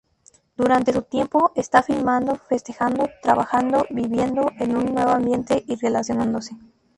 Durante su tiempo, están filmando festejando, trabajando, viviendo en un nuevo ambiente y relacionándose.